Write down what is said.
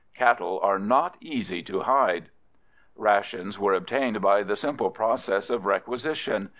Cattle are not easy to hide. Rations were obtained by the simple process of requisition.